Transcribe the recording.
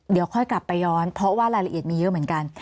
เดี๋ยวค่อยกลับไปย้อนเพราะว่ารายละเอียดมีเยอะเหมือนกัน